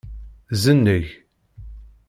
Zenneg.